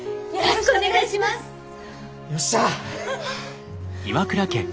よっしゃ！